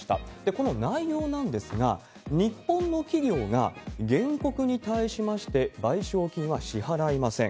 この内容なんですが、日本の企業が原告に対しまして賠償金は支払いません。